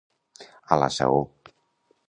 A la saó.